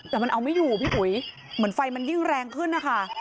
แต่มันเอาไม่อยู่พี่อุ๋ยเหมือนไฟมันยิ่งแรงขึ้นนะคะ